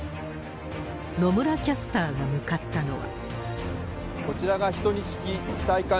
野村キャスターが向かったのは。